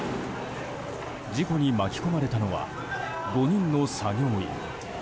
事故に巻き込まれたのは５人の作業員。